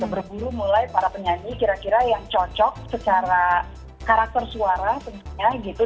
berburu mulai para penyanyi kira kira yang cocok secara karakter suara dan juga usia